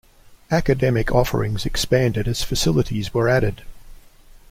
Academic offerings expanded as facilities were added.